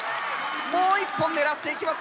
もう１本狙っていきます。